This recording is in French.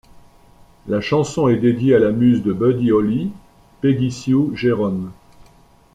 La chanson est dédiée à la muse de Buddy Holly, Peggy Sue Gerron.